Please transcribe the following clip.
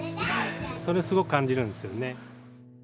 それをすごく感じるんですよね。